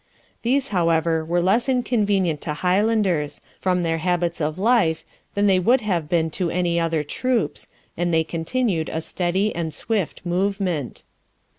These, however, were less inconvenient to Highlanders, from their habits of life, than they would have been to any other troops, and they continued a steady and swift movement.